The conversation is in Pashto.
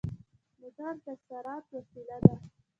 موټر د سرعت وسيله ده.